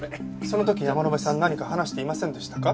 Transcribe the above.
その時山野辺さん何か話していませんでしたか？